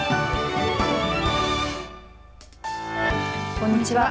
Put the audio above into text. こんにちは。